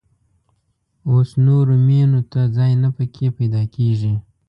اوس نورو مېنو ته ځای نه په کې پيدا کېږي.